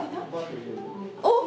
おっ！